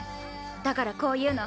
だからこう言うの。